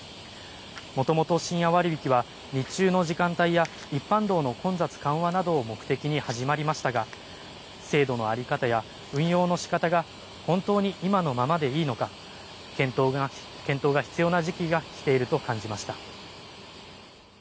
もともと深夜割引は、日中の時間帯や一般道の混雑緩和などを目的に始まりましたが、制度の在り方や運用のしかたが本当に今のままでいいのか、検討が必要な時期がきていると感じました。